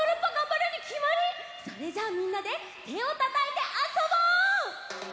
それじゃあみんなでてをたたいてあそぼう！